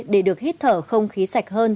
để được hít thở không khí sạch hơn